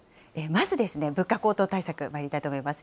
まず物価高騰対策、まいりたいと思います。